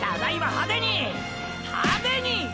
派手に！！